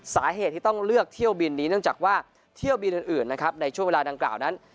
สาเหตุที่ต้องเลือกเที่ยวบินนี้เนื่องจากว่าเที่ยวบินอื่นนะครับในช่วงเวลาดังกล่าวนั้น